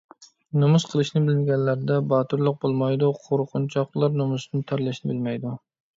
نومۇس قىلىشنى بىلمىگەنلەردە باتۇرلۇق بولمايدۇ. قۇرقۇنچاقلار نومۇستىن تەرلەشنى بىلمەيدۇ.